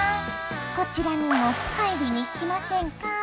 こちらにも入りに来ませんか？